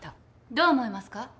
どう思いますか？